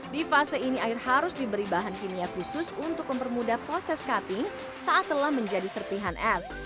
di fase ini air harus diberi bahan kimia khusus untuk mempermudah proses cutting saat telah menjadi serpihan es